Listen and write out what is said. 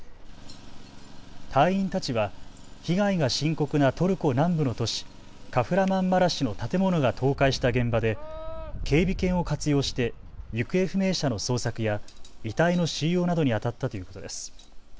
隊員たちは被害が深刻なトルコ南部の都市カフラマンマラシュの建物が倒壊した現場で警備犬を活用して行方不明者の捜索や遺体の収容などにあたったということです。